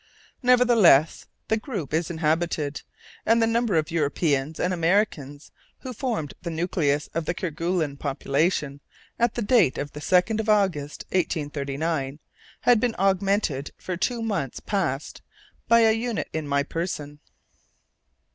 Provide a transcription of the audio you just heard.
Nevertheless, the group is inhabited, and the number of Europeans and Americans who formed the nucleus of the Kerguelen population at the date of the 2nd of August, 1839, had been augmented for two months past by a unit in my person.